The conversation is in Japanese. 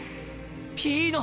ピーノ！